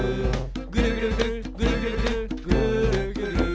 「ぐるぐるぐるぐるぐるぐるぐーるぐる」